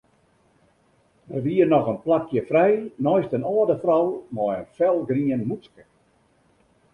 Der wie noch in plakje frij neist in âlde frou mei in felgrien mûtske.